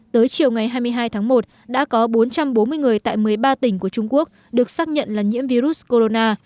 tới chiều ngày hai mươi hai tháng một đã có bốn trăm bốn mươi người tại một mươi ba tỉnh của trung quốc được xác nhận là nhiễm virus corona